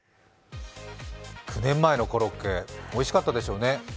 ９年前のコロッケ、おいしかったでしょうね。